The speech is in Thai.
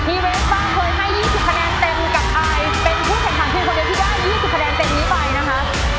อีเวฟฟังเคยให้๒๐คะแนนเต็มกับอายเป็นผู้แข่งขังที่ได้๒๐คะแนนเต็มนี้ไปนะคะ